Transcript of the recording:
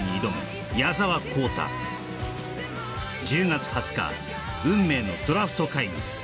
１０月２０日運命のドラフト会議